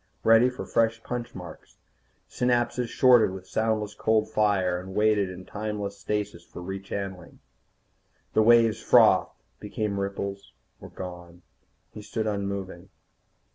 Ready for fresh punch marks. Synapses shorted with soundless cold fire, and waited in timeless stasis for rechannelling. The waves frothed, became ripples, were gone. He stood unmoving.